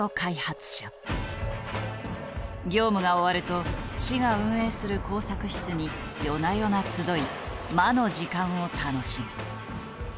業務が終わると市が運営する工作室に夜な夜な集い魔の時間を楽しむ。